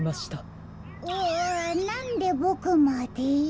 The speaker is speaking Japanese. うわなんでボクまで？